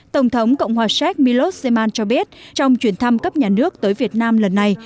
tổng thống cộng hòa séc milos zeman cho biết trong chuyển thăm cấp nhà nước tới việt nam lần này